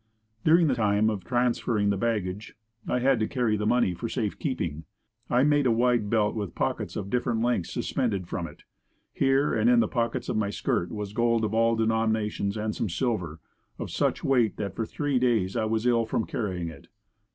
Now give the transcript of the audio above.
During the time of transferring the baggage, I had to carry the money for safe keeping. I made a wide belt with pockets of different lengths suspended from it. Here, and in the pockets of my skirt was gold of all denominations and some silver, of such weight that for three days I was ill from carrying it.